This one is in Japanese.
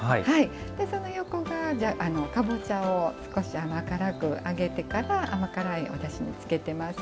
その横が、かぼちゃを少し揚げてから甘辛い、おだしにつけています。